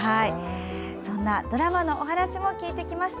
ドラマのお話も聞いてきました。